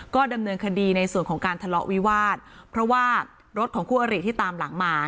ก็ดำเนินคดีในส่วนของการทะเลาะวิวาสเพราะว่ารถของคู่อริที่ตามหลังมา